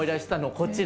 こちら。